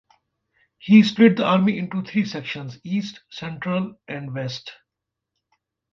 He split the army into three sections - East, Central and West.